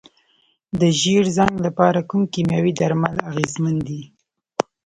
د ژیړ زنګ لپاره کوم کیمیاوي درمل اغیزمن دي؟